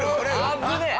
危ねえ！